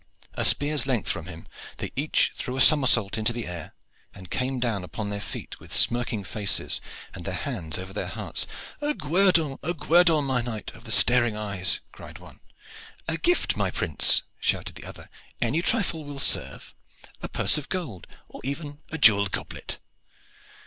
A spear's length from him, they each threw a somersault into the air, and came down upon their feet with smirking faces and their hands over their hearts. "A guerdon a guerdon, my knight of the staring eyes!" cried one. "A gift, my prince!" shouted the other. "Any trifle will serve a purse of gold, or even a jewelled goblet."